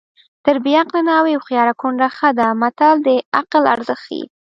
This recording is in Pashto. تر بې عقلې ناوې هوښیاره کونډه ښه ده متل د عقل ارزښت ښيي